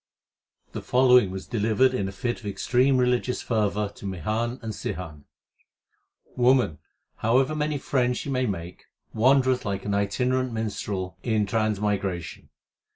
The following was delivered in a fit of extreme religious fervour to Mihan and Sihan : Woman, however many friends she may make, wan dereth like an itinerant minstrel in transmigration.